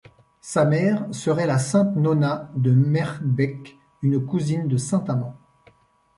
Sa mère serait la sainte Nona de Meerbeke, une cousine de saint Amand.